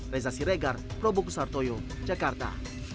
reza siregar prabowo kusartoyo jakarta